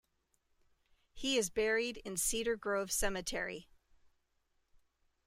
He is buried in Cedar Grove Cemetery.